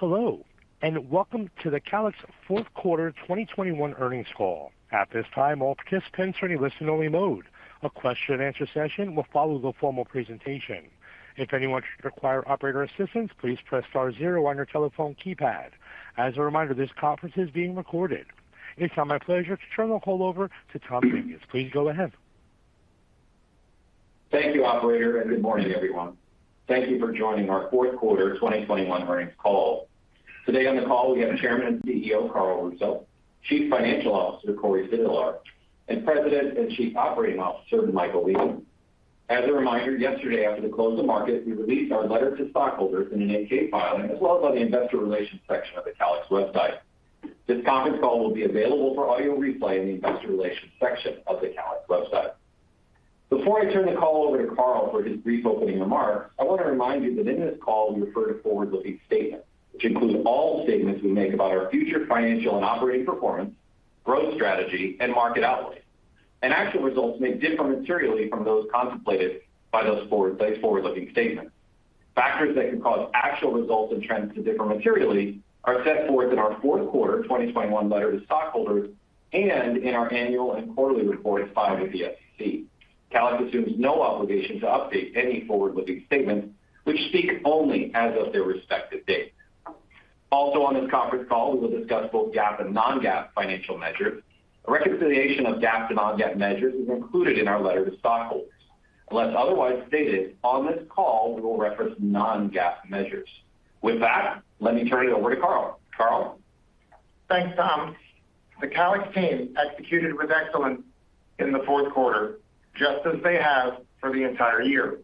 Hello, and welcome to the Calix Q4 2021 earnings call. At this time, all participants are in a listen only mode. A question and answer session will follow the formal presentation. If anyone should require operator assistance, please press star zero on your telephone keypad. As a reminder, this conference is being recorded. It's now my pleasure to turn the call over to Tom Dinges. Please go ahead. Thank you, operator, and good morning, everyone. Thank you for joining our Q4 2021 earnings call. Today on the call we have Chairman and CEO, Carl Russo, Chief Financial Officer, Cory Sindelar, and President and Chief Operating Officer, Michael Weening. As a reminder, yesterday after the close of market, we released our letter to stockholders in an 8-K filing as well as on the investor relations section of the Calix website. This conference call will be available for audio replay in the investor relations section of the Calix website. Before I turn the call over to Carl for his brief opening remarks, I want to remind you that in this call we refer to forward-looking statements, which include all statements we make about our future financial and operating performance, growth strategy and market outlook. Actual results may differ materially from those contemplated by those forward-looking statements. Factors that can cause actual results and trends to differ materially are set forth in our Q4 2021 letter to stockholders and in our annual and quarterly reports filed with the SEC. Calix assumes no obligation to update any forward-looking statements which speak only as of their respective dates. Also on this conference call, we will discuss both GAAP and non-GAAP financial measures. A reconciliation of GAAP to non-GAAP measures is included in our letter to stockholders. Unless otherwise stated, on this call we will reference non-GAAP measures. With that, let me turn it over to Carl. Carl. Thanks, Tom. The Calix team executed with excellence in the Q4, just as they have for the entire year.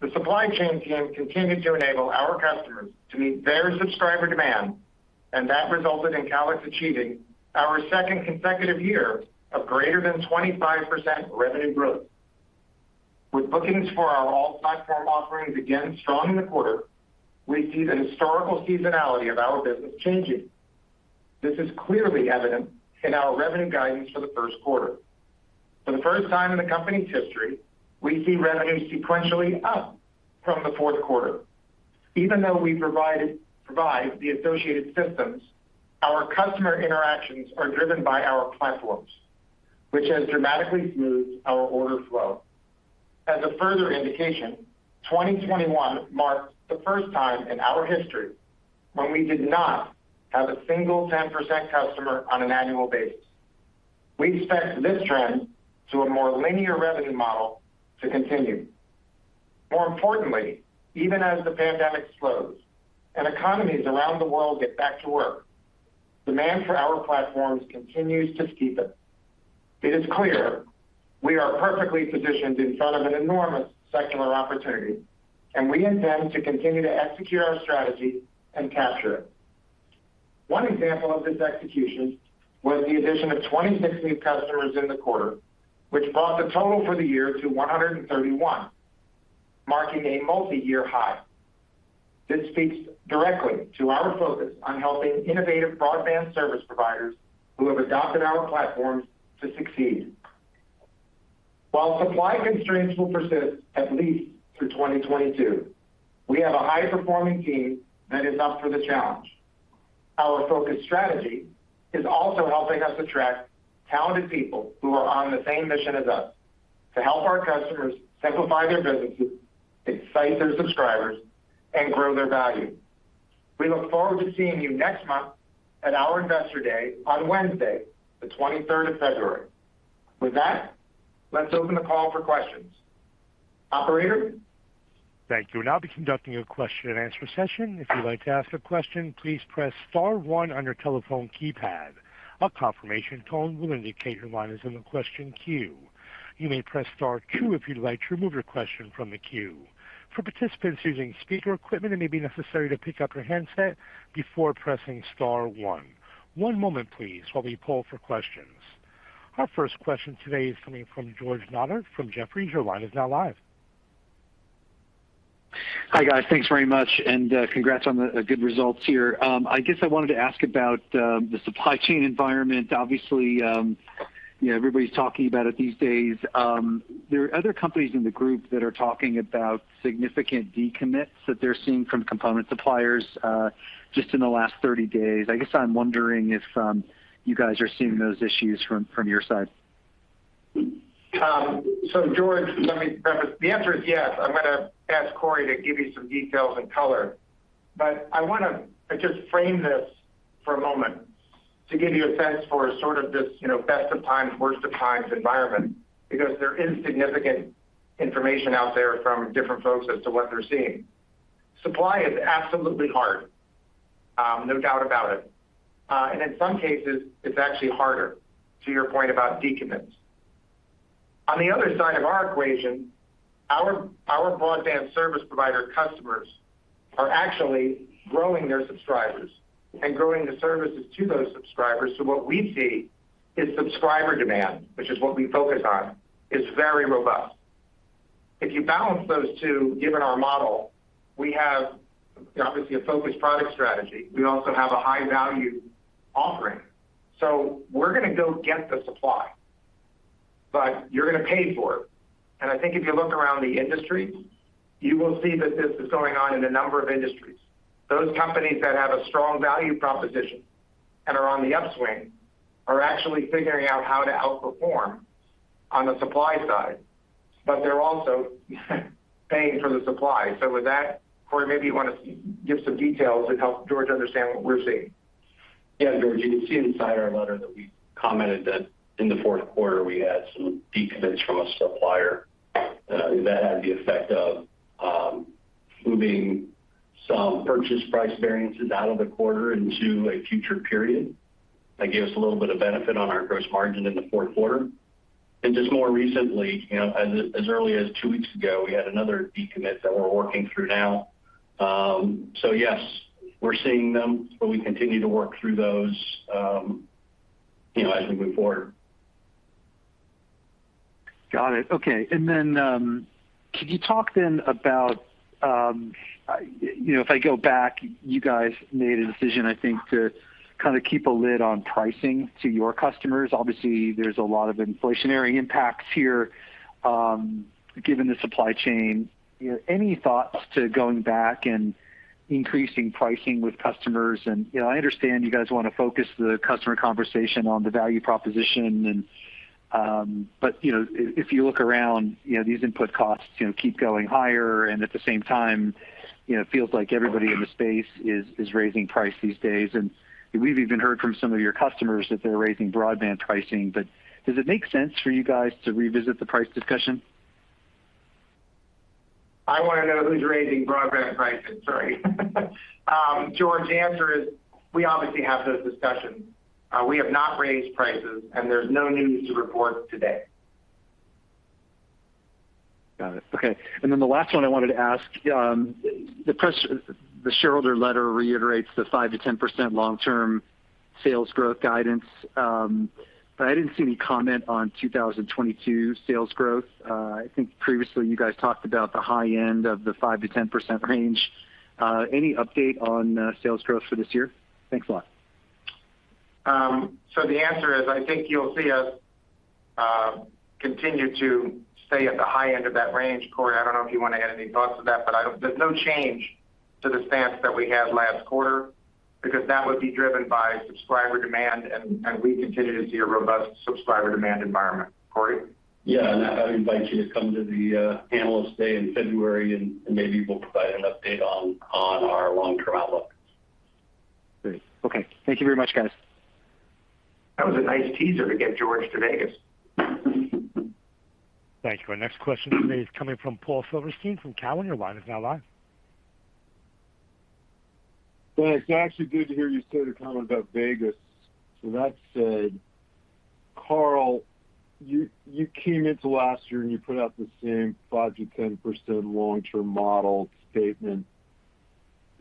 The supply chain team continued to enable our customers to meet their subscriber demand, and that resulted in Calix achieving our second consecutive year of greater than 25% revenue growth. With bookings for our all platform offerings again strong in the quarter, we see the historical seasonality of our business changing. This is clearly evident in our revenue guidance for the Q1. For the first time in the company's history, we see revenue sequentially up from the Q4. Even though we provide the associated systems, our customer interactions are driven by our platforms, which has dramatically smoothed our order flow. As a further indication, 2021 marked the first time in our history when we did not have a single 10% customer on an annual basis. We expect this trend to a more linear revenue model to continue. More importantly, even as the pandemic slows and economies around the world get back to work, demand for our platforms continues to steepen. It is clear we are perfectly positioned in front of an enormous secular opportunity, and we intend to continue to execute our strategy and capture it. One example of this execution was the addition of 20 in the quarter, which brought the total for the year to 131, marking a multiyear high. This speaks directly to our focus on helping innovative broadband service providers who have adopted our platforms to succeed. While supply constraints will persist at least through 2022, we have a high-performing team that is up for the challenge. Our focused strategy is also helping us attract talented people who are on the same mission as us to help our customers simplify their businesses, excite their subscribers, and grow their value. We look forward to seeing you next month at our Investor Day on Wednesday, the twenty-third of February. With that, let's open the call for questions. Operator? Thank you. We'll now be conducting a question-and-answer session. If you'd like to ask a question, please press star one on your telephone keypad. A confirmation tone will indicate your line is in the question queue. You may press star two if you'd like to remove your question from the queue. For participants using speaker equipment, it may be necessary to pick up your handset before pressing star one. One moment please while we poll for questions. Our first question today is coming from George Notter from Jefferies. Your line is now live. Hi, guys. Thanks very much and congrats on the good results here. I guess I wanted to ask about the supply chain environment. Obviously, you know, everybody's talking about it these days. There are other companies in the group that are talking about significant decommits that they're seeing from component suppliers just in the last 30 days. I guess I'm wondering if you guys are seeing those issues from your side. George, let me preface. The answer is yes. I'm gonna ask Cory to give you some details and color. I wanna just frame this for a moment to give you a sense for sort of this, you know, best of times, worst of times environment, because there is significant information out there from different folks as to what they're seeing. Supply is absolutely hard, no doubt about it. And in some cases, it's actually harder to your point about decommits. On the other side of our equation, our broadband service provider customers are actually growing their subscribers and growing the services to those subscribers. What we see is subscriber demand, which is what we focus on, is very robust. If you balance those two, given our model, we have obviously a focused product strategy. We also have a high value offering. We're going to go get the supply. You're gonna pay for it. I think if you look around the industry, you will see that this is going on in a number of industries. Those companies that have a strong value proposition and are on the upswing are actually figuring out how to outperform on the supply side, but they're also paying for the supply. With that, Cory, maybe you want to give some details and help George understand what we're seeing. Yeah. George, you can see inside our letter that we commented that in the Q4 we had some decommits from a supplier that had the effect of moving some purchase price variances out of the quarter into a future period. That gave us a little bit of benefit on our gross margin in the Q4. Just more recently, you know, as early as two weeks ago, we had another decommit that we're working through now. So yes, we're seeing them, but we continue to work through those, you know, as we move forward. Got it. Okay. Could you talk then about, you know, if I go back, you guys made a decision, I think, to kind of keep a lid on pricing to your customers. Obviously, there's a lot of inflationary impacts here, given the supply chain. You know, any thoughts to going back and increasing pricing with customers? You know, I understand you guys want to focus the customer conversation on the value proposition and, but, you know, if you look around, you know, these input costs, you know, keep going higher, and at the same time, you know, it feels like everybody in the space is raising price these days. We've even heard from some of your customers that they're raising broadband pricing. Does it make sense for you guys to revisit the price discussion? I want to know who's raising broadband pricing. Sorry. George, the answer is we obviously have those discussions. We have not raised prices, and there's no news to report today. Got it. Okay. The last one I wanted to ask, the shareholder letter reiterates the 5%-10% long-term sales growth guidance, but I didn't see any comment on 2022 sales growth. I think previously you guys talked about the high end of the 5%-10% range. Any update on sales growth for this year? Thanks a lot. The answer is, I think you'll see us continue to stay at the high end of that range. Cory, I don't know if you want to add any thoughts to that, but there's no change to the stance that we had last quarter because that would be driven by subscriber demand, and we continue to see a robust subscriber demand environment. Cory? Yeah. I invite you to come to the analyst day in February, and maybe we'll provide an update on our long-term outlook. Great. Okay. Thank you very much, guys. That was a nice teaser to get George to Vegas. Thank you. Our next question today is coming from Paul Silverstein from Cowen. Your line is now live. Thanks. It's actually good to hear you say the comment about Vegas. That said, Carl, you came into last year, and you put out the same 5%-10% long-term model statement.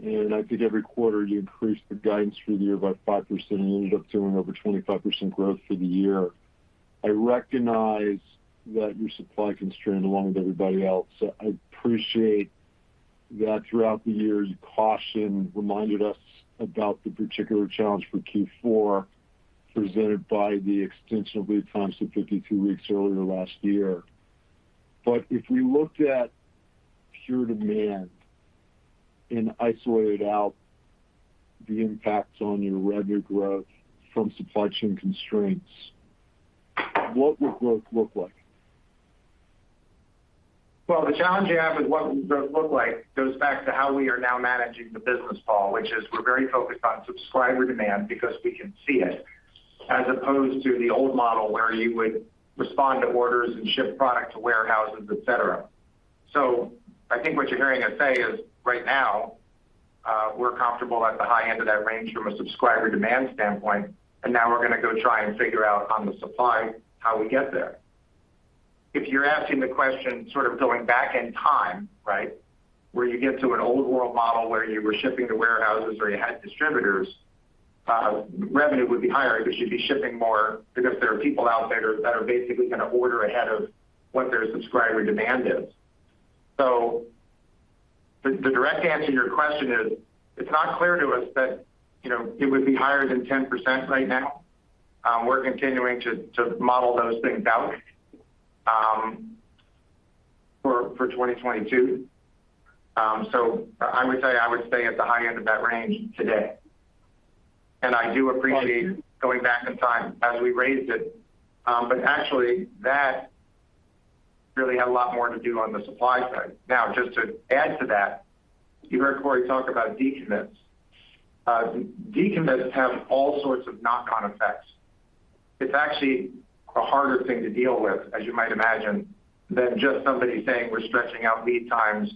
I think every quarter you increased the guidance for the year by 5%, and you ended up doing over 25% growth for the year. I recognize that you're supply constrained along with everybody else. I appreciate that throughout the year, your caution reminded us about the particular challenge for Q4 presented by the extension of lead times to 52 weeks earlier last year. If we looked at pure demand and isolated out the impacts on your revenue growth from supply chain constraints, what would growth look like? Well, the challenge you have with what would growth look like goes back to how we are now managing the business, Paul, which is we're very focused on subscriber demand because we can see it, as opposed to the old model where you would respond to orders and ship product to warehouses, et cetera. I think what you're hearing us say is right now, we're comfortable at the high end of that range from a subscriber demand standpoint, and now we're gonna go try and figure out on the supply how we get there. If you're asking the question sort of going back in time, right, where you get to an old world model where you were shipping to warehouses or you had distributors, revenue would be higher because you'd be shipping more because there are people out there that are basically going to order ahead of what their subscriber demand is. The direct answer to your question is, it's not clear to us that, you know, it would be higher than 10% right now. We're continuing to model those things out for 2022. I would say I would stay at the high end of that range today. I do appreciate going back in time as we raised it. Actually that really had a lot more to do on the supply side. Now, just to add to that, you heard Cory talk about decommits. Decommits have all sorts of knock-on effects. It's actually a harder thing to deal with, as you might imagine, than just somebody saying we're stretching out lead times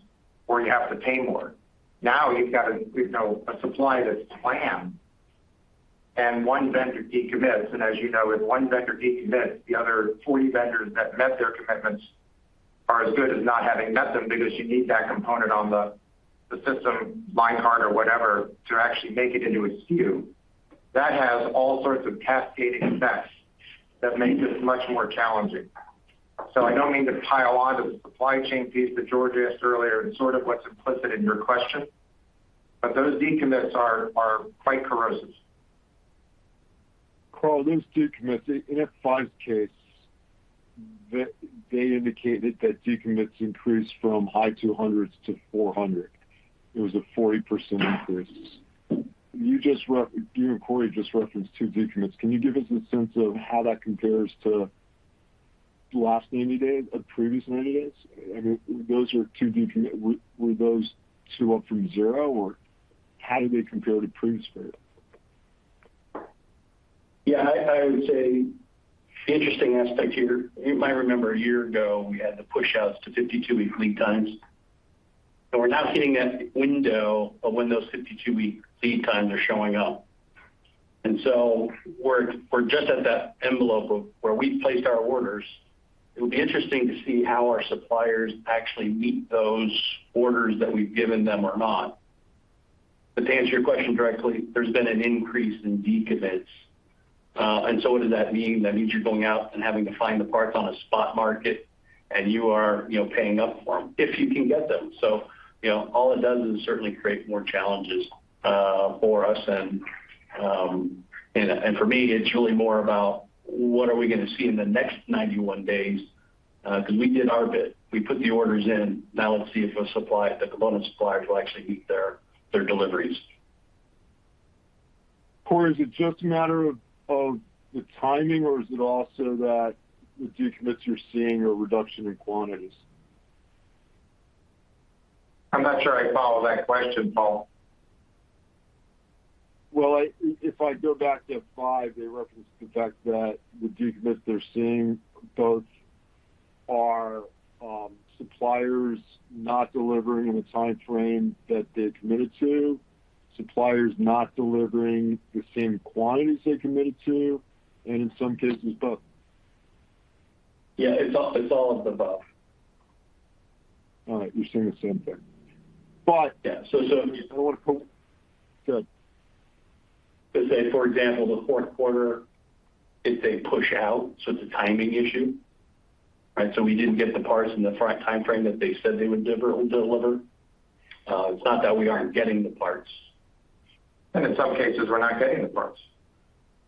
or you have to pay more. Now you've got a you know supply that's planned and one vendor decommits. As you know, if one vendor decommits, the other 40 vendors that met their commitments are as good as not having met them because you need that component on the system line card or whatever to actually make it into a SKU. That has all sorts of cascading effects that make this much more challenging. I don't mean to pile on to the supply chain piece that George asked earlier and sort of what's implicit in your question. Those decommits are quite corrosive. Carl, those decommits, in F5's case, they indicated that decommits increased from high 200s to 400. It was a 40% increase. You and Cory just referenced 2 decommits. Can you give us a sense of how that compares to the last 90 days or previous 90 days? I mean, those are 2 decommits. Were those 2 up from zero, or how do they compare to previous period? I would say interesting aspect here. You might remember a year ago, we had the pushouts to 52-week lead times. We're now hitting that window of when those 52-week lead times are showing up. We're just at that envelope of where we placed our orders. It would be interesting to see how our suppliers actually meet those orders that we've given them or not. To answer your question directly, there's been an increase in decommits. What does that mean? That means you're going out and having to find the parts on a spot market, and you are, you know, paying up for them if you can get them. You know, all it does is certainly create more challenges for us. For me, it's really more about what are we gonna see in the next 91 days, 'cause we did our bit. We put the orders in. Now let's see if the supply, the component suppliers will actually meet their deliveries. Cory, is it just a matter of the timing, or is it also that the decommits you're seeing are a reduction in quantities? I'm not sure I follow that question, Paul. Well, if I go back to F5, they referenced the fact that the decommits they're seeing both are suppliers not delivering in the timeframe that they're committed to, suppliers not delivering the same quantities they committed to, and in some cases, both. Yeah. It's all of the above. All right. You're seeing the same thing. Yeah. I wanna co- To say, for example, the Q4, if they push out, so it's a timing issue, right? We didn't get the parts in the timeframe that they said they would deliver. It's not that we aren't getting the parts. In some cases, we're not getting the parts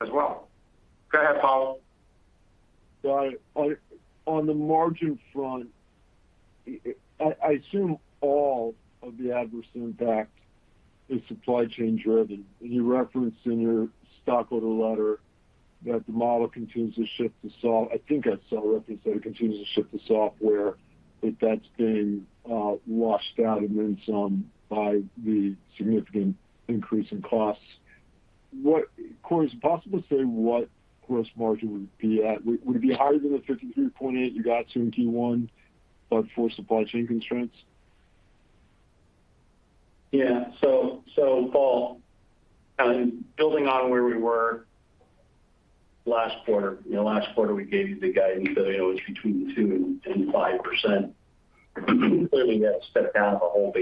as well. Go ahead, Paul. Got it. On the margin front, I assume all of the adverse impact is supply chain-driven. You referenced in your stockholder letter that the model continues to shift to software, but that's been washed out and then some by the significant increase in costs. What, Cory, is it possible to say what gross margin would be at? Would it be higher than the 53.8% you got to in Q1, but for supply chain constraints? Yeah. Paul, building on where we were last quarter. You know, last quarter, we gave you the guidance that, you know, it's between 2% and 5%. Clearly, we had to step it down a whole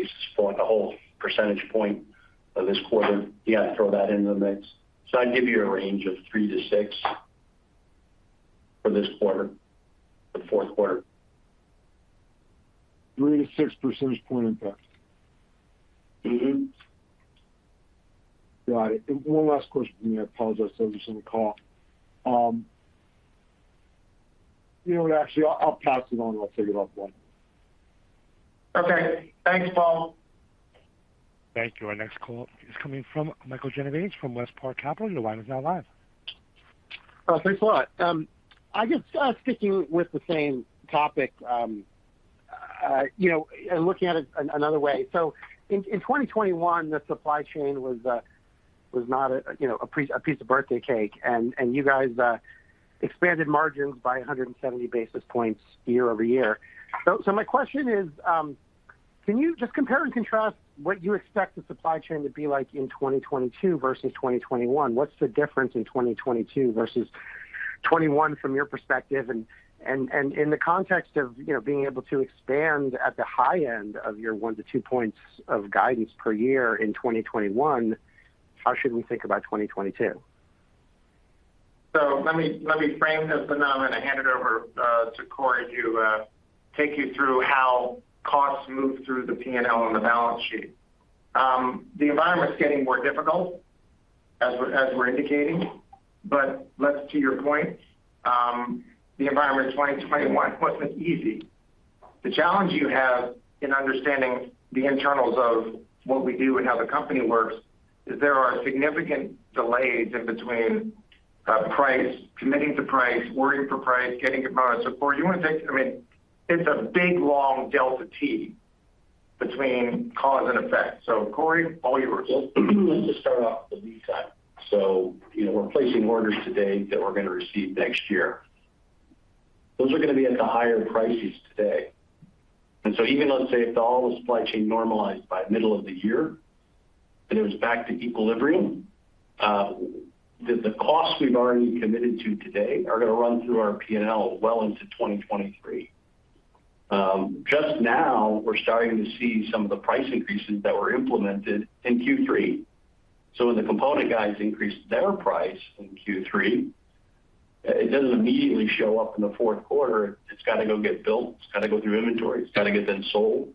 percentage point of this quarter. You gotta throw that into the mix. I'd give you a range of 3%-6% for this quarter, the Q4. 3-6 percentage point impact? Mm-hmm. Got it. One last question from me. I apologize to others in the call. You know what? Actually, I'll pass it on. I'll take it offline. Okay. Thanks, Paul. Thank you. Our next call is coming from Michael Genovese from WestPark Capital. Your line is now live. Oh, thanks a lot. I guess sticking with the same topic, you know, and looking at it another way. In 2021, the supply chain was not a piece of birthday cake, and you guys expanded margins by 170 basis points year-over-year. My question is, can you just compare and contrast what you expect the supply chain to be like in 2022 versus 2021? What's the difference in 2022 versus 2021 from your perspective? In the context of being able to expand at the high end of your 1-2 points of guidance per year in 2021, how should we think about 2022? Let me frame this phenomenon and hand it over to Cory to take you through how costs move through the P&L on the balance sheet. The environment's getting more difficult as we're indicating, but to your point, the environment in 2021 wasn't easy. The challenge you have in understanding the internals of what we do and how the company works is there are significant delays in between price, committing to price, working for price, getting components and support. I mean, it's a big, long delta T between cause and effect. Cory, all yours. Let's just start off with lead time. You know, we're placing orders today that we're gonna receive next year. Those are gonna be at the higher prices today. Even let's say if all the supply chain normalized by middle of the year and it was back to equilibrium, the costs we've already committed to today are gonna run through our P&L well into 2023. Just now we're starting to see some of the price increases that were implemented in Q3. When the component guys increased their price in Q3. It doesn't immediately show up in the Q4. It's got to go get built. It's got to go through inventory. It's got to get then sold.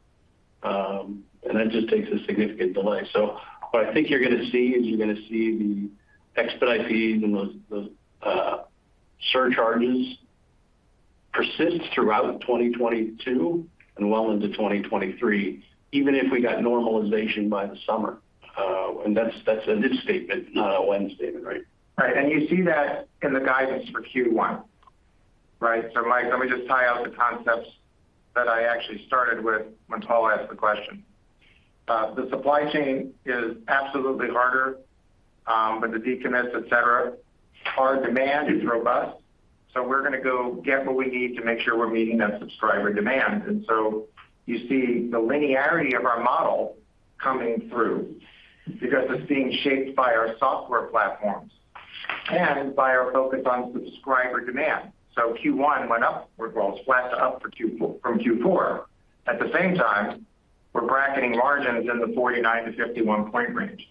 That just takes a significant delay. What I think you're gonna see is the expedite fees and the surcharges persist throughout 2022 and well into 2023, even if we got normalization by the summer. That's an if statement, not a when statement. Right? Right. You see that in the guidance for Q1. Right? Mike, let me just tie out the concepts that I actually started with when Paul asked the question. The supply chain is absolutely harder with the decommits, et cetera. Our demand is robust, so we're gonna go get what we need to make sure we're meeting that subscriber demand. You see the linearity of our model coming through because it's being shaped by our software platforms and by our focus on subscriber demand. Q1 went up, or well, it's flat to up from Q4. At the same time, we're bracketing margins in the 49%-51% range.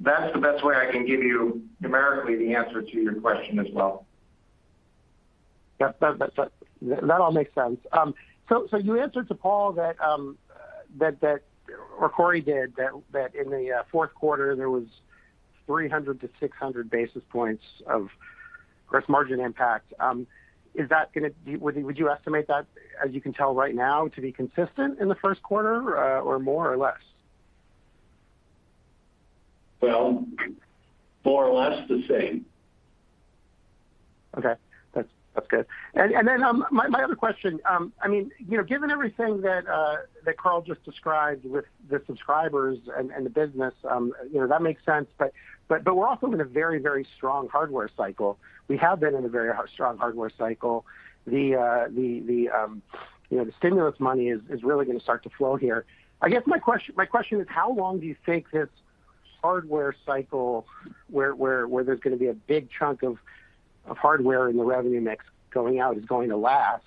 That's the best way I can give you numerically the answer to your question as well. Yep. That all makes sense. You answered to Paul that or Cory did that in the Q4, there was 300-600 basis points of gross margin impact. Would you estimate that, as you can tell right now, to be consistent in the Q1, or more or less? Well, more or less the same. Okay. That's good. My other question, I mean, you know, given everything that Carl just described with the subscribers and the business, you know, that makes sense. We're also in a very strong hardware cycle. We have been in a very strong hardware cycle. The stimulus money is really gonna start to flow here. I guess my question is, how long do you think this hardware cycle where there's gonna be a big chunk of hardware in the revenue mix going out is going to last?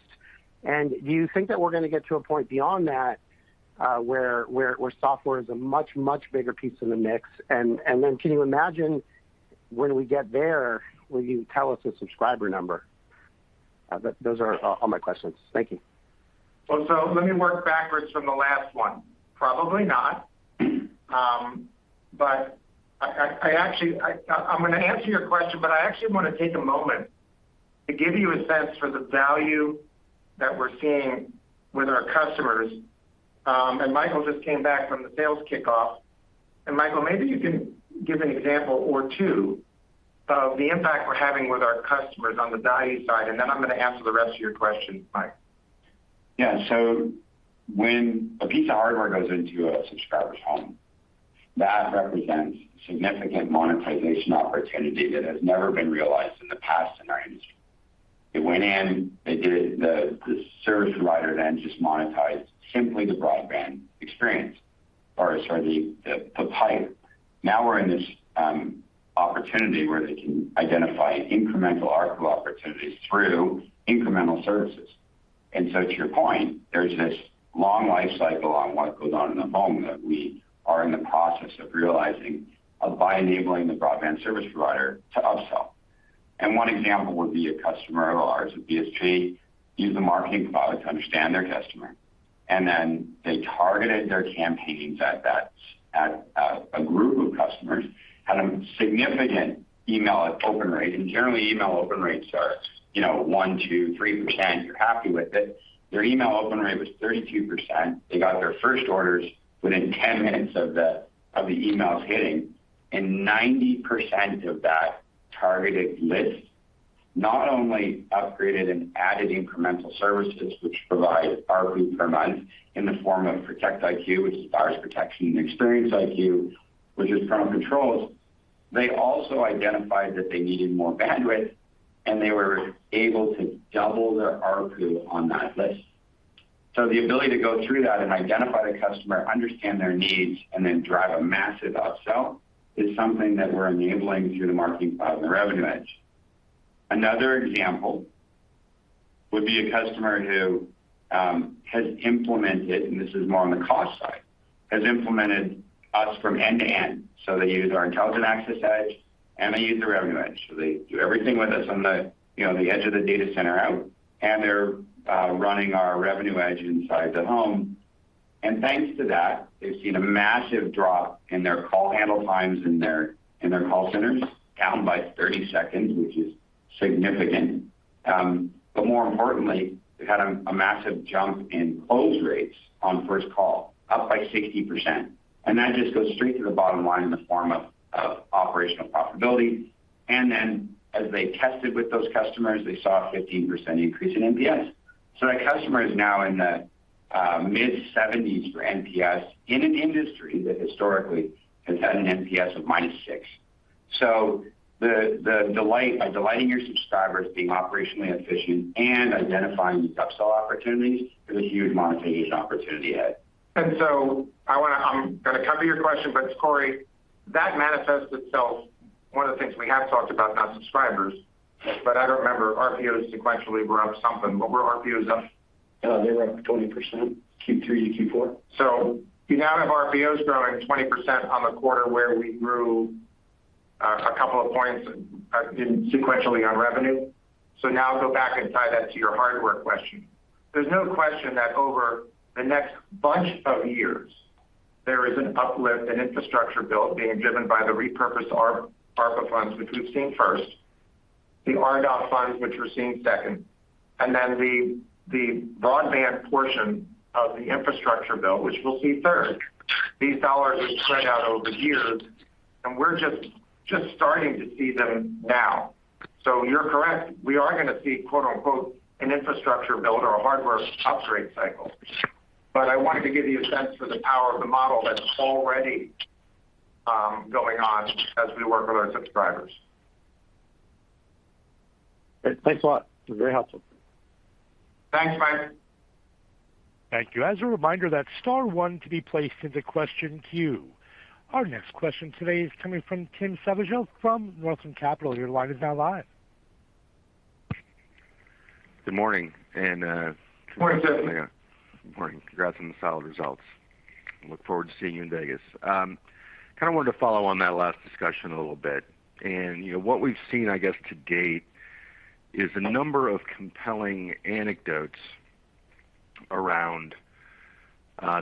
Do you think that we're gonna get to a point beyond that, where software is a much bigger piece in the mix? Can you imagine when we get there, will you tell us a subscriber number? Those are all my questions. Thank you. Let me work backwards from the last one. Probably not. I actually, I'm gonna answer your question, but I actually want to take a moment to give you a sense for the value that we're seeing with our customers. Michael just came back from the sales kickoff. Michael, maybe you can give an example or two of the impact we're having with our customers on the value side, and then I'm going to answer the rest of your question, Mike. Yeah. When a piece of hardware goes into a subscriber's home, that represents significant monetization opportunity that has never been realized in the past in our industry. It went in, they did it. The service provider then just monetized simply the broadband experience or sorry, the pipe. Now we're in this opportunity where they can identify incremental ARPU opportunities through incremental services. To your point, there's this long life cycle on what goes on in the home that we are in the process of realizing by enabling the broadband service provider to upsell. One example would be a customer of ours, a BSP, used the Marketing Cloud to understand their customer, and then they targeted their campaigns at a group of customers, had a significant email open rate. Generally, email open rates are, you know, 1, 2, 3%. You're happy with it. Their email open rate was 32%. They got their first orders within 10 minutes of the emails hitting. 90% of that targeted list not only upgraded and added incremental services which provide ARPU per month in the form of ProtectIQ, which is virus protection, and ExperienceIQ, which is parental controls. They also identified that they needed more bandwidth, and they were able to double their ARPU on that list. The ability to go through that and identify the customer, understand their needs, and then drive a massive upsell is something that we're enabling through the Marketing Cloud and the Revenue EDGE. Another example would be a customer who has implemented us from end to end, and this is more on the cost side. They use our Intelligent Access EDGE, and they use the Revenue EDGE. They do everything with us on the edge of the data center out, and they're running our Revenue EDGE inside the home. Thanks to that, they've seen a massive drop in their call handle times in their call centers, down by 30 seconds, which is significant. But more importantly, they had a massive jump in close rates on first call, up by 60%. That just goes straight to the bottom line in the form of operational profitability. Then as they tested with those customers, they saw a 15% increase in NPS. That customer is now in the mid-70s for NPS in an industry that historically has had an NPS of -6. The delight by delighting your subscribers, being operationally efficient, and identifying these upsell opportunities is a huge monetization opportunity ahead. I'm gonna come to your question, but Cory, that manifests itself, one of the things we have talked about, not subscribers, but I don't remember. ARPUs sequentially were up something. What were ARPUs up? They were up 20% Q3 to Q4. You now have RPOs growing 20% on the quarter where we grew a couple of points sequentially on revenue. Now go back and tie that to your hardware question. There's no question that over the next bunch of years, there is an uplift in infrastructure build being driven by the repurposed ARPA funds, which we've seen first. The RDOF funds, which we're seeing second, and then the broadband portion of the infrastructure bill, which we'll see third. These dollars will spread out over years, and we're just starting to see them now. You're correct. We are gonna see quote-unquote, "an infrastructure build or a hardware upgrade cycle." But I wanted to give you a sense for the power of the model that's already going on as we work with our subscribers. Thanks a lot. You're very helpful. Thanks, Mike. Thank you. As a reminder, that's star one to be placed into question queue. Our next question today is coming from Tim Savageaux from Northland Capital Markets. Your line is now live. Good morning. Morning, Tim. Good morning. Congrats on the solid results. Look forward to seeing you in Vegas. Kinda wanted to follow on that last discussion a little bit. You know, what we've seen, I guess, to date is a number of compelling anecdotes around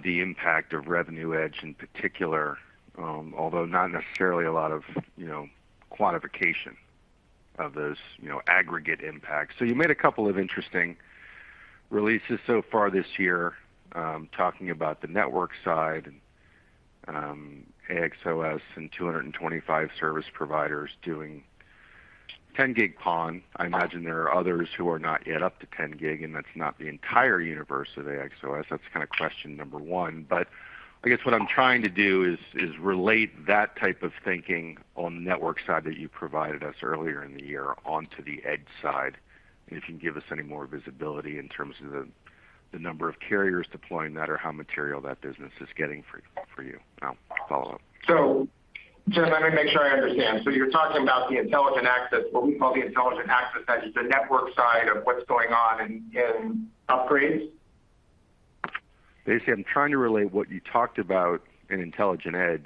the impact of Revenue EDGE in particular, although not necessarily a lot of, you know, quantification of those, you know, aggregate impacts. You made a couple of interesting releases so far this year, talking about the network side and AXOS and 225 service providers doing 10 gig PON. I imagine there are others who are not yet up to 10 gig, and that's not the entire universe of AXOS. That's kinda question number one. I guess what I'm trying to do is relate that type of thinking on the network side that you provided us earlier in the year onto the edge side. If you can give us any more visibility in terms of the number of carriers deploying that or how material that business is getting for you. I'll follow up. Tim, let me make sure I understand. You're talking about the Intelligent Access, what we call the Intelligent Access EDGE, the network side of what's going on in upgrades? Basically, I'm trying to relate what you talked about in Intelligent Access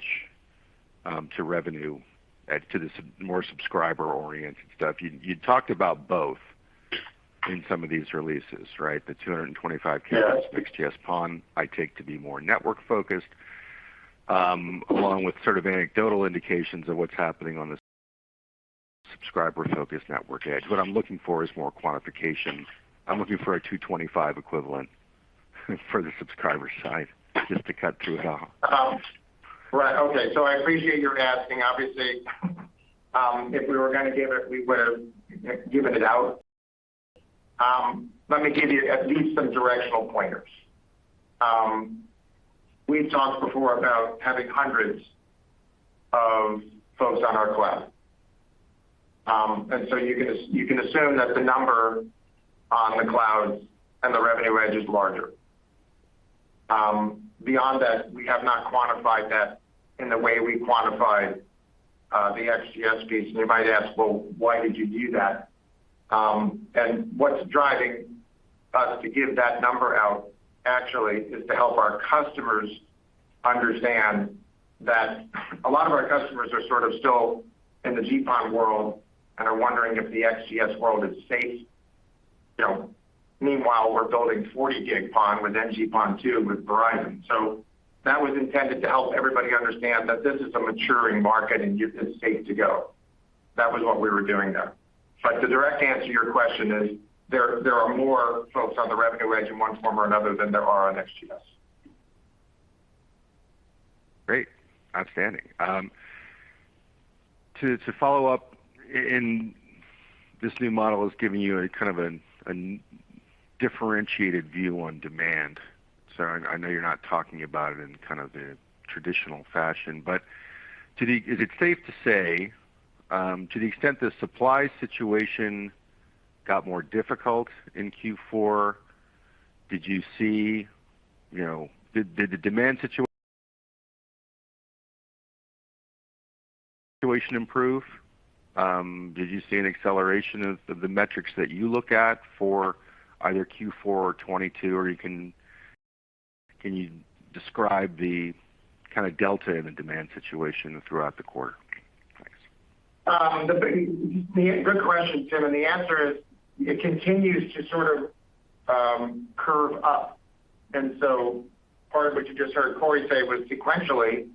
EDGE to Revenue EDGE to the more subscriber-oriented stuff. You talked about both in some of these releases, right? The 225 carriers- Yeah. XGS-PON, I take to be more network-focused, along with sort of anecdotal indications of what's happening on the subscriber-focused network edge. What I'm looking for is more quantification. I'm looking for a 225 equivalent for the subscriber side, just to cut to it. Right. Okay. I appreciate your asking. Obviously, if we were gonna give it, we would have given it out. Let me give you at least some directional pointers. We've talked before about having hundreds of folks on our cloud. You can assume that the number on the cloud and the Revenue Edge is larger. Beyond that, we have not quantified that in the way we quantified the XGS piece. You might ask, "Well, why did you do that?" What's driving us to give that number out actually is to help our customers understand that a lot of our customers are sort of still in the GPON world and are wondering if the XGS world is safe. You know, meanwhile, we're building 40 gig PON with NG-PON2 with Verizon. That was intended to help everybody understand that this is a maturing market and it's safe to go. That was what we were doing there. The direct answer to your question is there are more folks on the Revenue EDGE in one form or another than there are on XGS. Great. Outstanding. To follow up, in this new model is giving you a kind of a differentiated view on demand. So I know you're not talking about it in kind of the traditional fashion, but is it safe to say, to the extent the supply situation got more difficult in Q4, did you see? Did the demand situation improve? Did you see an acceleration of the metrics that you look at for either Q4 or 2022? Or can you describe the kind of delta in the demand situation throughout the quarter? Thanks. Good question, Tim. The answer is it continues to sort of curve up. Part of what you just heard Cory say was sequentially,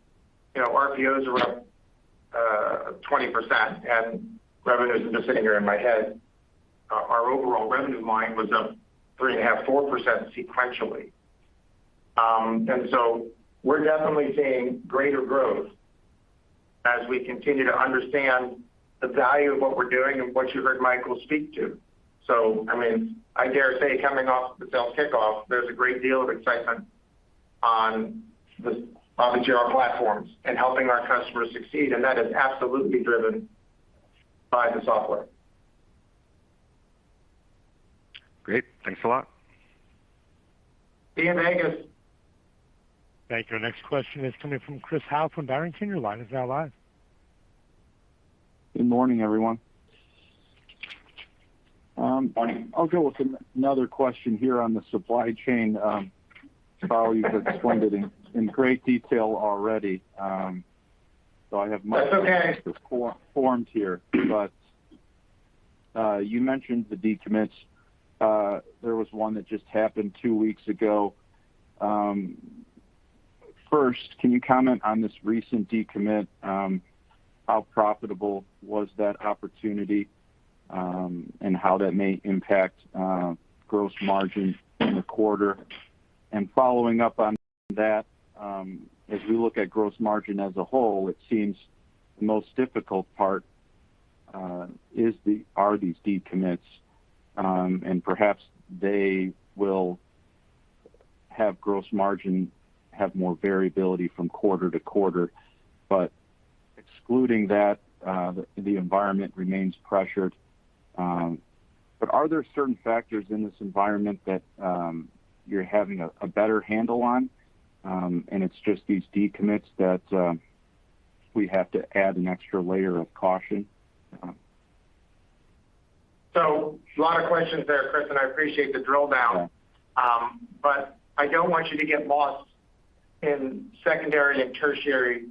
you know, RPOs are up 20% and revenues. I'm just sitting here in my head, our overall revenue line was up 3.5%-4% sequentially. We're definitely seeing greater growth as we continue to understand the value of what we're doing and what you heard Michael speak to. I mean, I dare say coming off the sales kickoff, there's a great deal of excitement on the, I'll say, general platforms and helping our customers succeed, and that is absolutely driven by the software. Great. Thanks a lot. Ian Angus. Thank you. Our next question is coming from Chris Howe from Barrington. Your line is now live. Good morning, everyone. Good morning. I'll go with another question here on the supply chain. Carl has explained it in great detail already, so I have much- That's okay. You mentioned the decommits. There was one that just happened two weeks ago. First, can you comment on this recent decommit? How profitable was that opportunity, and how that may impact gross margin in the quarter? Following up on that, as we look at gross margin as a whole, it seems the most difficult part are these decommits, and perhaps they will have more variability from quarter to quarter. Excluding that, the environment remains pressured. Are there certain factors in this environment that you're having a better handle on, and it's just these decommits that we have to add an extra layer of caution? A lot of questions there, Chris, and I appreciate the drill down. I don't want you to get lost in secondary and tertiary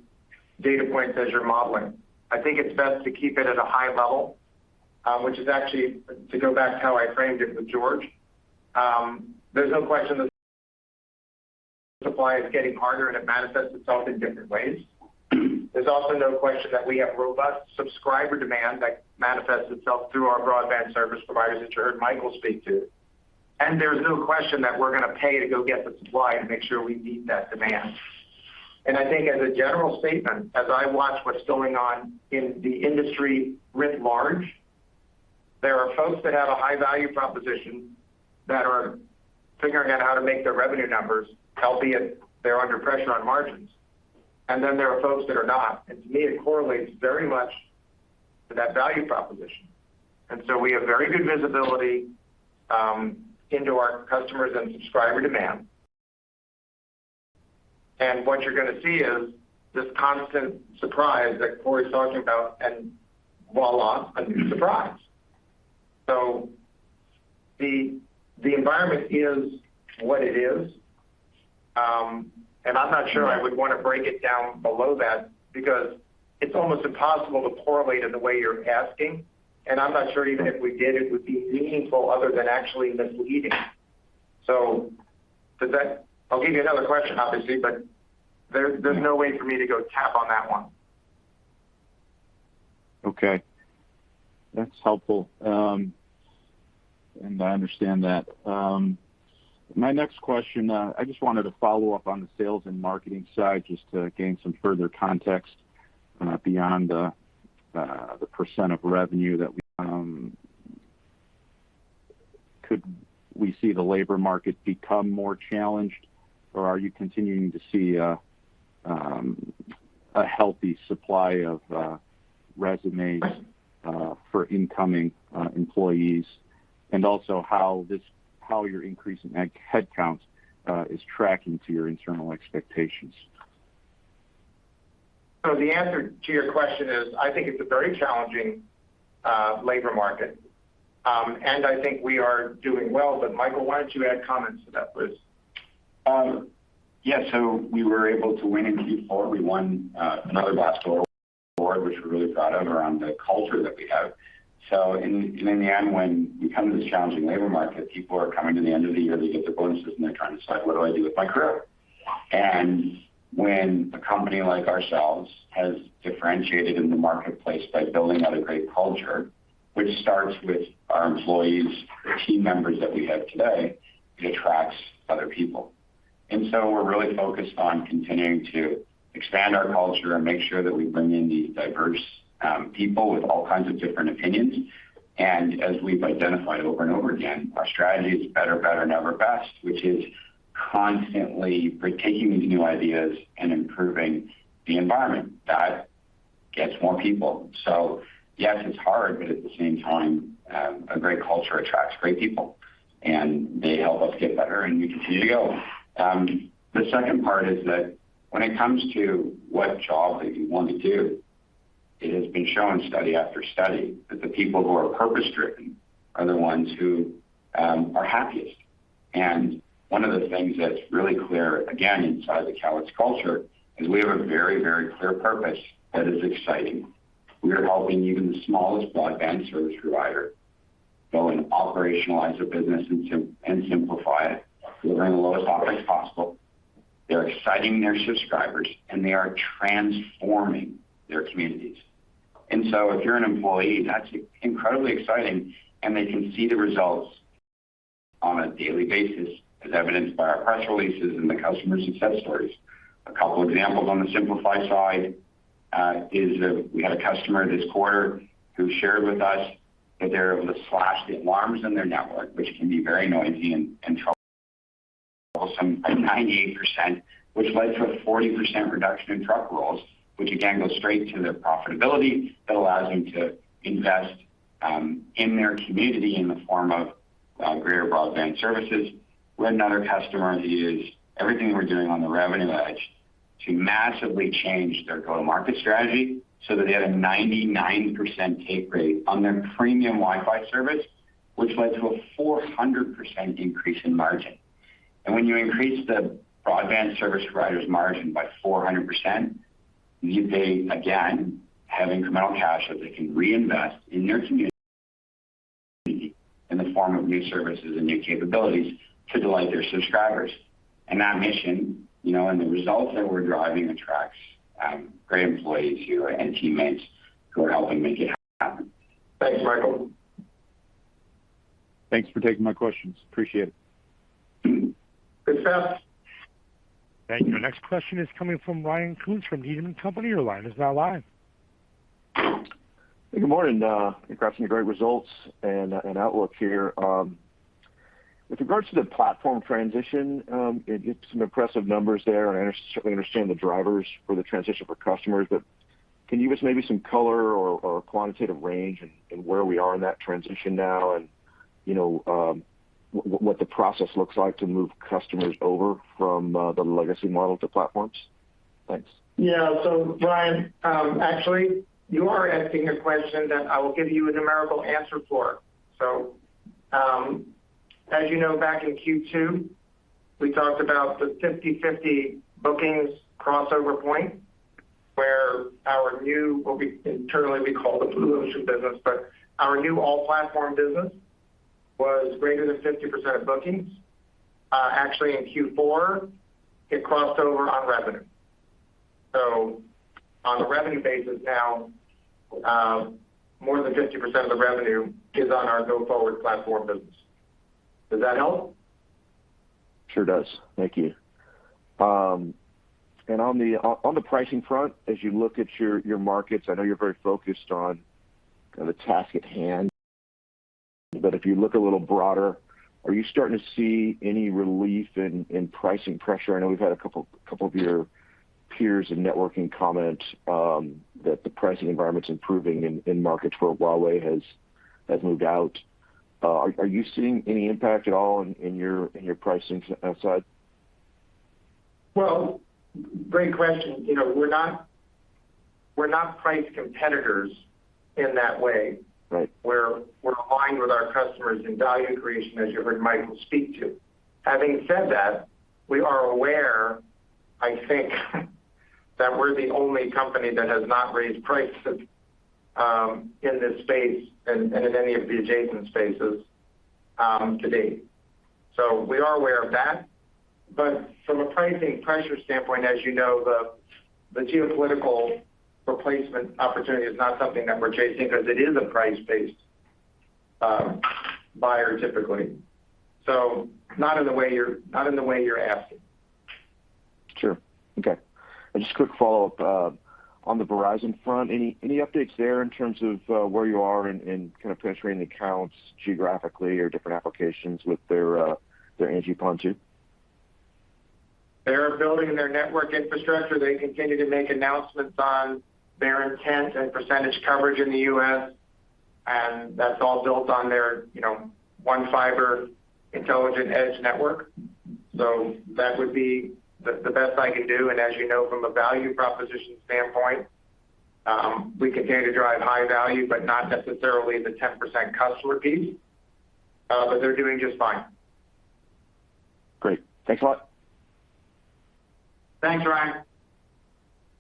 data points as you're modeling. I think it's best to keep it at a high level, which is actually to go back to how I framed it with George. There's no question that supply is getting harder and it manifests itself in different ways. There's also no question that we have robust subscriber demand that manifests itself through our broadband service providers that you heard Michael speak to. There's no question that we're gonna pay to go get the supply to make sure we meet that demand. I think as a general statement, as I watch what's going on in the industry writ large, there are folks that have a high value proposition that are figuring out how to make their revenue numbers healthy, and they're under pressure on margins. There are folks that are not. To me, it correlates very much to that value proposition. We have very good visibility into our customers and subscriber demand. What you're gonna see is this constant surprise that Cory's talking about and voila, a new surprise. The environment is what it is. I'm not sure I would want to break it down below that because it's almost impossible to correlate in the way you're asking. I'm not sure even if we did, it would be meaningful other than actually misleading. I'll give you another question, obviously, but there's no way for me to go tap on that one. Okay. That's helpful. I understand that. My next question, I just wanted to follow up on the sales and marketing side just to gain some further context, beyond the percent of revenue. Could we see the labor market become more challenged, or are you continuing to see a healthy supply of resumes for incoming employees, and also how your increase in head counts is tracking to your internal expectations? The answer to your question is, I think it's a very challenging labor market. I think we are doing well. Michael, why don't you add comments to that, please? Yeah. We were able to win in Q4. We won another Glassdoor award, which we're really proud of, around the culture that we have. In the end, when you come to this challenging labor market, people are coming to the end of the year, they get their bonuses, and they're trying to decide, "What do I do with my career?" When a company like ourselves has differentiated in the marketplace by building out a great culture, which starts with our employees, the team members that we have today, it attracts other people. We're really focused on continuing to expand our culture and make sure that we bring in these diverse, people with all kinds of different opinions. As we've identified over and over again, our strategy is better and never best, which is constantly taking these new ideas and improving the environment. That gets more people. Yes, it's hard, but at the same time, a great culture attracts great people, and they help us get better and we continue to go. The second part is that when it comes to what job that you want to do, it has been shown study after study that the people who are purpose-driven are the ones who are happiest. One of the things that's really clear, again, inside the Calix culture is we have a very, very clear purpose that is exciting. We are helping even the smallest broadband service provider go and operationalize their business and simplify it, delivering the lowest OPEX possible. They're exciting their subscribers, and they are transforming their communities. If you're an employee, that's incredibly exciting. They can see the results on a daily basis, as evidenced by our press releases and the customer success stories. A couple examples on the simplify side is we had a customer this quarter who shared with us that they were able to slash the alarms in their network, which can be very noisy and troublesome by 98%, which led to a 40% reduction in truck rolls, which again goes straight to their profitability. That allows them to invest in their community in the form of greater broadband services. We had another customer use everything we're doing on the revenue edge to massively change their go-to-market strategy so that they had a 99% take rate on their premium Wi-Fi service, which led to a 400% increase in margin. When you increase the broadband service provider's margin by 400%, they, again, have incremental cash that they can reinvest in their community in the form of new services and new capabilities to delight their subscribers. That mission, you know, and the results that we're driving attracts great employees and teammates who are helping make it happen. Thanks, Michael. Thanks for taking my questions. Appreciate it. Thanks, Chris. Thank you. Next question is coming from Ryan Koontz from Needham & Company. Your line is now live. Hey, good morning. Congrats on your great results and outlook here. With regards to the platform transition, it's some impressive numbers there, and I certainly understand the drivers for the transition for customers. But can you give us maybe some color or quantitative range in where we are in that transition now and, you know, what the process looks like to move customers over from the legacy model to platforms? Thanks. Yeah. Ryan, actually, you are asking a question that I will give you a numerical answer for. As you know, back in Q2, we talked about the 50/50 bookings crossover point where our new, what we internally call the Blue Ocean business, but our new all-platform business was greater than 50% of bookings. Actually in Q4, it crossed over on revenue. On a revenue basis now, more than 50% of the revenue is on our go-forward platform business. Does that help? Sure does. Thank you. On the pricing front, as you look at your markets, I know you're very focused on the task at hand. If you look a little broader, are you starting to see any relief in pricing pressure? I know we've had a couple of your peers in networking comment that the pricing environment's improving in markets where Huawei has moved out. Are you seeing any impact at all in your pricing side? Well, great question. You know, we're not price competitors in that way. Right. Where we're aligned with our customers in value creation, as you heard Michael speak to. Having said that, we are aware, I think that we're the only company that has not raised prices in this space and in any of the adjacent spaces to date. We are aware of that. From a pricing pressure standpoint, as you know, the geopolitical replacement opportunity is not something that we're chasing 'cause it is a price-based buyer, typically. Not in the way you're asking. Sure. Okay. Just quick follow-up on the Verizon front. Any updates there in terms of where you are in kind of penetrating the accounts geographically or different applications with their NG-PON2? They're building their network infrastructure. They continue to make announcements on their intent and percentage coverage in the U.S., and that's all built on their, you know, one fiber intelligent edge network. That would be the best I can do. As you know, from a value proposition standpoint, we continue to drive high value, but not necessarily the 10% customer piece. They're doing just fine. Great. Thanks a lot. Thanks, Ryan.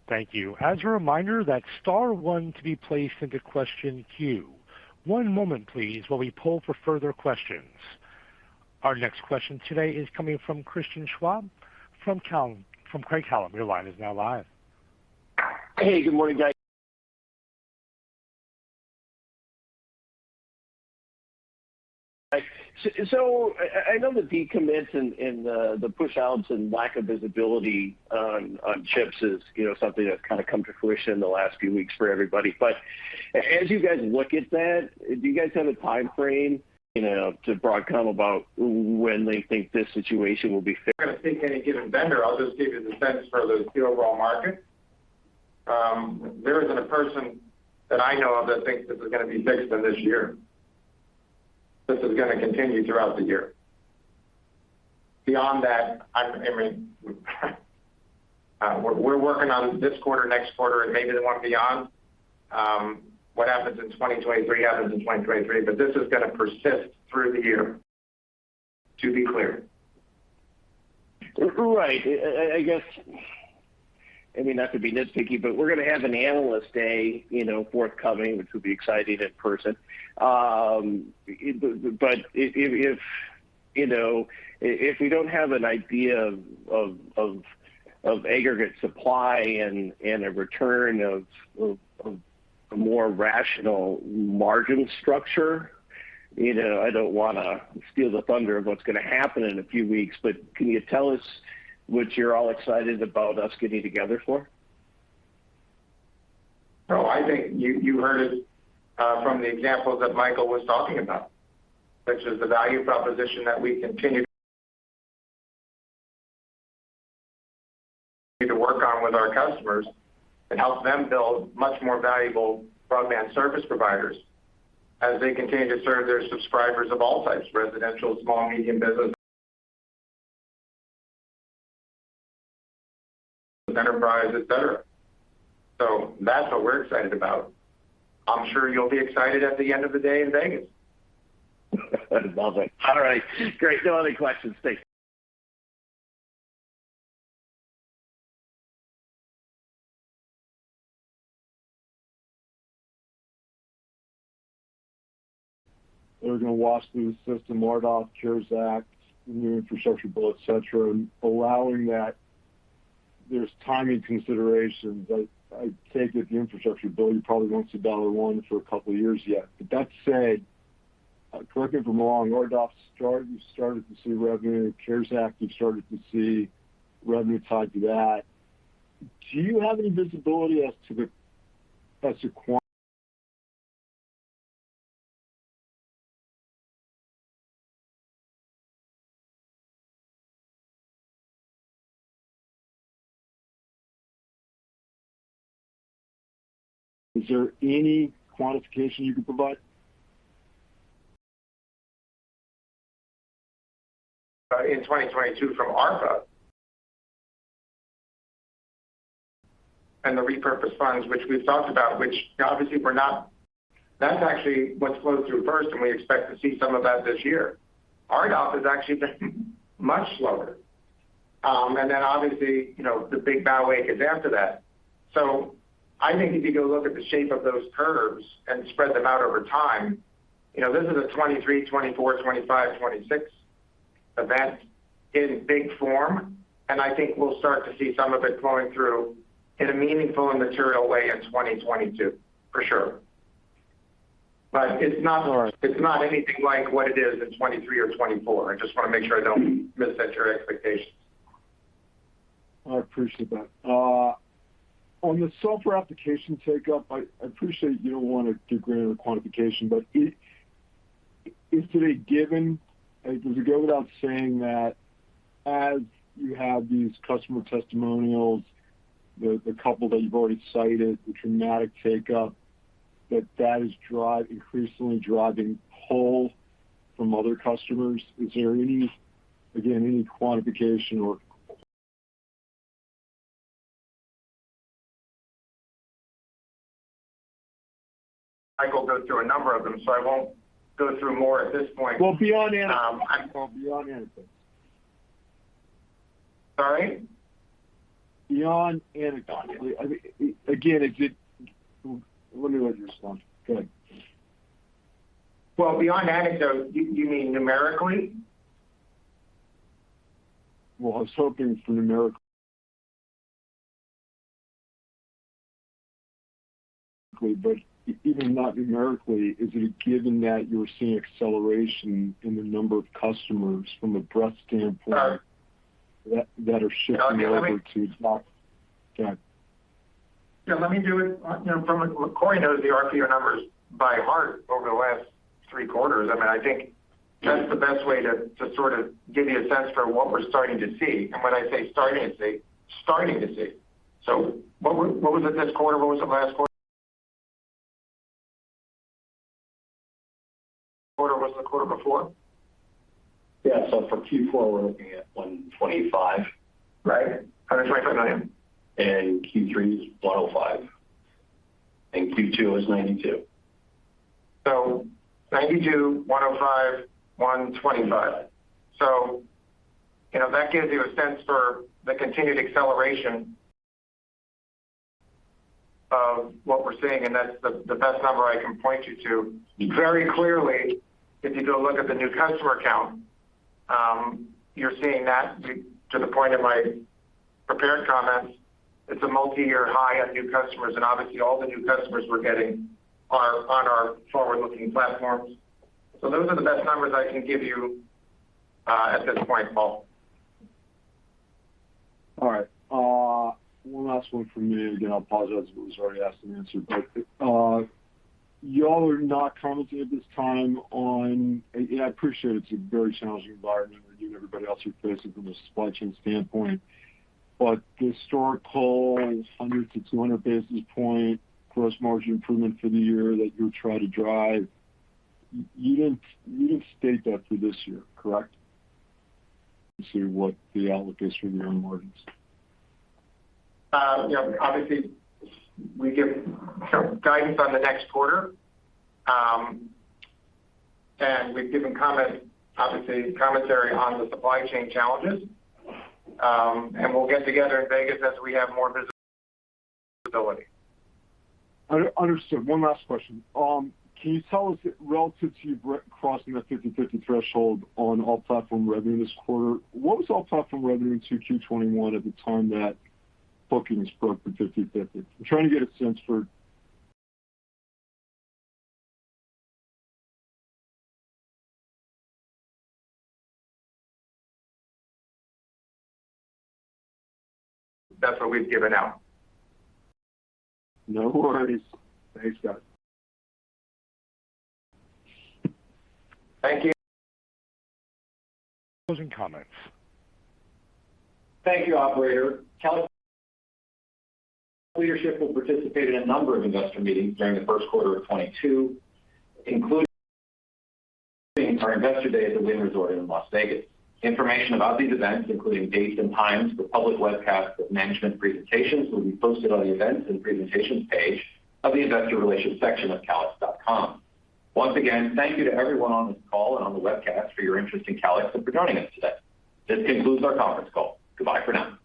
Thank you. As a reminder, that's star one to be placed into question queue. One moment, please, while we poll for further questions. Our next question today is coming from Christian Schwab from Craig-Hallum. Your line is now live. Hey, good morning, guys. I know the decommits and the pushouts and lack of visibility on chips is, you know, something that's kinda come to fruition in the last few weeks for everybody. As you guys look at that, do you guys have a timeframe, you know, to Broadcom about when they think this situation will be fixed? I'm gonna speak to any given vendor. I'll just give you the sense for the overall market. There isn't a person that I know of that thinks this is gonna be fixed in this year. This is gonna continue throughout the year. Beyond that, I mean, we're working on this quarter, next quarter, and maybe the one beyond. What happens in 2023 happens in 2023, but this is gonna persist through the year, to be clear. Right. I guess, I mean, not to be nitpicky, but we're gonna have an analyst day, you know, forthcoming, which will be exciting in person. If you know, if we don't have an idea of aggregate supply and a return of a more rational margin structure, you know, I don't wanna steal the thunder of what's gonna happen in a few weeks, but can you tell us what you're all excited about us getting together for? I think you heard it from the examples that Michael was talking about, which is the value proposition that we continue to work on with our customers and help them build much more valuable broadband service providers as they continue to serve their subscribers of all types, residential, small, medium business, enterprise, et cetera. That's what we're excited about. I'm sure you'll be excited at the end of the day in Vegas. Lovely. All right, great. No other questions. Thanks. They're gonna wash through the system, ARPA, CARES Act, new infrastructure bill, et cetera, and allowing that there's timing considerations. I take it the infrastructure bill, you probably won't see dollar one for a couple of years yet. That said, correct me if I'm wrong, you started to see revenue. CARES Act, you started to see revenue tied to that. Do you have any visibility. Is there any quantification you can provide in 2022 from ARPA? The repurposed funds, which we've talked about, which obviously we're not. That's actually what's flowing through first, and we expect to see some of that this year. ARPA has actually been much slower. Obviously, you know, the big buildout is after that. I think if you go look at the shape of those curves and spread them out over time, you know, this is a 2023, 2024, 2025, 2026 event in big form, and I think we'll start to see some of it flowing through in a meaningful and material way in 2022, for sure. It's not. All right. It's not anything like what it is in 2023 or 2024. I just want to make sure I don't mis-set your expectations. I appreciate that. On the software application uptake, I appreciate you don't want to give granular quantification, but is it a given, does it go without saying that as you have these customer testimonials, the couple that you've already cited, the dramatic uptake, that is increasingly driving pull from other customers? Is there any, again, any quantification or? Michael go through a number of them, so I won't go through more at this point. Well, beyond anecdote. Sorry? Beyond anecdote. I mean, again, let me leave this one. Go ahead. Well, beyond anecdote, you mean numerically? Well, I was hoping for numerical. Even not numerically, is it a given that you're seeing acceleration in the number of customers from a breadth standpoint? Sorry. That are shifting over to Yeah, let me do it. Cory knows the RPO numbers by heart over the last three quarters. I mean, I think that's the best way to sort of give you a sense for what we're starting to see. When I say starting to see. What was it this quarter? What was it last quarter? What was the quarter before? Yeah. For Q4, we're looking at $125. Right. $125 million. Q3 is $105. Q2 is $92. 92, 105, 125. You know, that gives you a sense for the continued acceleration of what we're seeing, and that's the best number I can point you to. Very clearly, if you go look at the new customer count, you're seeing that due to the point in my prepared comments, it's a multi-year high of new customers, and obviously all the new customers we're getting are on our forward-looking platforms. Those are the best numbers I can give you at this point, Paul. All right. One last one from me. Again, I'll apologize if it was already asked and answered. Y'all are not commenting at this time on, and I appreciate it's a very challenging environment for you and everybody else you're facing from a supply chain standpoint. The historical 100-200 basis points gross margin improvement for the year that you're trying to drive, you didn't state that for this year, correct? To what the outlook is for the earnings. Yeah. Obviously, we give guidance on the next quarter, and we've given commentary on the supply chain challenges. We'll get together in Vegas as we have more visibility. Understood. One last question. Can you tell us relative to your crossing that 50/50 threshold on all platform revenue this quarter, what was all platform revenue through Q2 2021 at the time that bookings broke for 50/50? I'm trying to get a sense for- That's what we've given out. No worries. Thanks, guys. Thank you. Closing comments. Thank you, operator. Leadership will participate in a number of investor meetings during the Q1 of 2022, including our Investor Day at the Wynn Resort in Las Vegas. Information about these events, including dates and times for public webcasts with management presentations, will be posted on the Events and Presentations page of the investor relations section of calix.com. Once again, thank you to everyone on this call and on the webcast for your interest in Calix and for joining us today. This concludes our conference call. Goodbye for now.